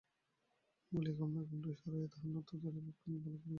বলিয়া কমলার ঘোমটা সরাইয়া তাহার নতনেত্র মুখখানি ভালো করিয়া দেখিলেন।